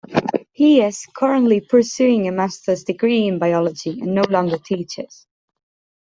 He is currently pursuing a master's degree in biology and no longer teaches.